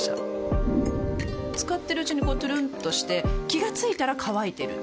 使ってるうちにこうトゥルンとして気が付いたら乾いてる